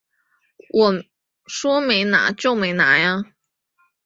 我说没拿就没拿啊